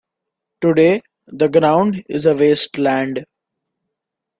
Today the ground is a wasteland.